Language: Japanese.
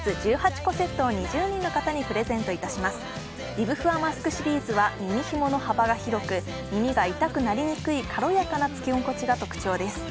リブふわマスクシリーズは耳ひもの幅が広く耳が痛くなりにくい軽やかな着け心地が特長です。